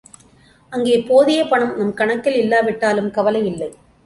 அங்கே போதிய பணம் நம் கணக்கில் இல்லாவிட்டாலும் கவலை இல்லை.